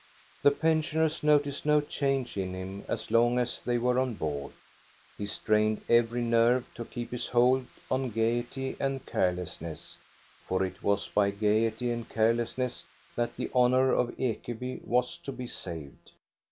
The pensioners noticed no change in him as long as they were on board. He strained every nerve to keep his hold on gayety and carelessness, for it was by gayety and carelessness that the honor of Ekeby was to be saved.